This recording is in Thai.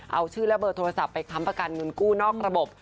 เอาชื่อและเบอร์โทรศัพท์ไปค้ำประกันเงินกู้นอกระบบ